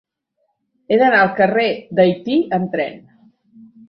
He d'anar al carrer d'Haití amb tren.